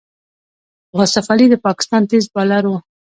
واصف علي د پاکستان تېز بالر وو.